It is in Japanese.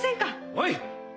おい！